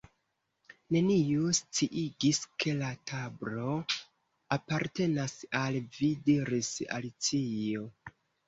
"Neniu sciigis ke la tablo apartenas al vi " diris Alicio.